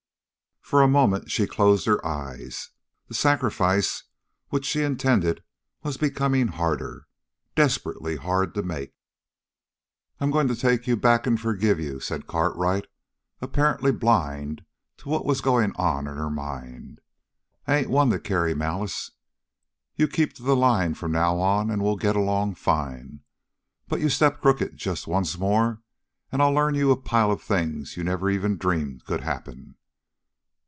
For a moment she closed her eyes. The sacrifice which she intended was becoming harder, desperately hard to make. "I'm going to take you back and forgive you," said Cartwright, apparently blind to what was going on in her mind. "I ain't one to carry malice. You keep to the line from now on, and we'll get along fine. But you step crooked just once more, and I'll learn you a pile of things you never even dreamed could happen!"